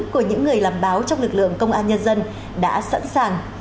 của những người làm báo trong lực lượng công an nhân dân đã sẵn sàng